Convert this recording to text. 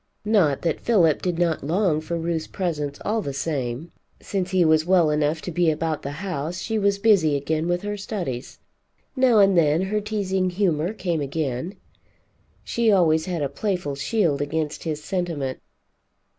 Not that Philip did not long for Ruth's presence all the same. Since he was well enough to be about the house, she was busy again with her studies. Now and then her teasing humor came again. She always had a playful shield against his sentiment.